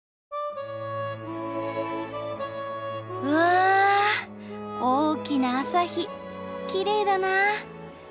うわあ大きな朝日きれいだなぁ。